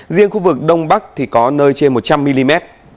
riêng khu vực đông bắc thì có nơi trên một trăm linh mm